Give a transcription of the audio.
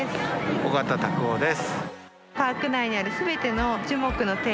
緒方拓夫です。